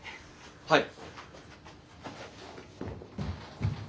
はい。